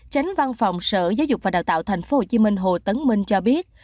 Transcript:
tránh văn phòng sở giáo dục và đào tạo thành phố hồ chí minh hồ tấn minh cho biết